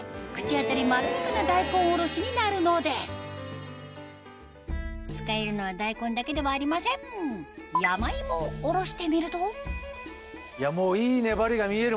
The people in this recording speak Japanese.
当たりまろやかな大根おろしになるのです使えるのは大根だけではありませんやまいもをおろしてみるといい粘りが見えるもん。